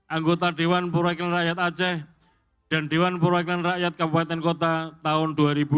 anggota dewan perwakilan rakyat aceh dan dewan perwakilan rakyat kabupaten kota tahun dua ribu dua puluh